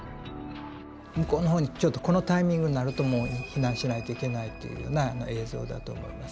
向こうの方にちょっとこのタイミングになるともう避難しないといけないというような映像だと思います。